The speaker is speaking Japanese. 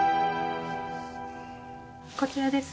こちらです。